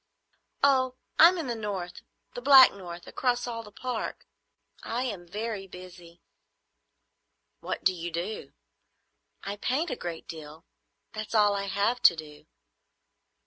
"Oh, I'm in the north,—the black north, across all the Park. I am very busy." "What do you do?" "I paint a great deal. That's all I have to do."